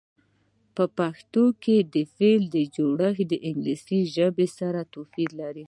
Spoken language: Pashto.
په پښتو کې د فعل جوړښت د انګلیسي ژبې سره توپیر لري.